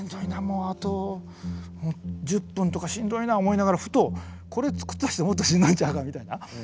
もうあと１０分とかしんどいな思いながらふとこれつくった人もっとしんどいんちゃうかみたいな。